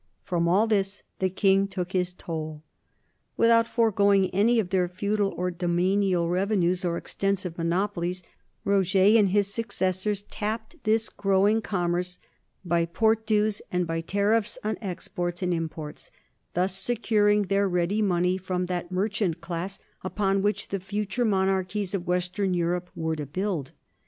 From all this the king took his toll. Without foregoing any of their feudal or domanial revenues or extensive monopolies, Roger and his successors tapped this grow THE NORMAN KINGDOM OF SICILY 233 ing commerce by port dues and by tariffs on exports and imports, thus securing their ready money from that merchant class upon which the future monarchies of western Europe were to build.